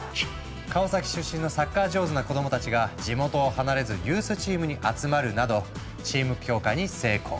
川崎出身のサッカー上手な子どもたちが地元を離れずユースチームに集まるなどチーム強化に成功。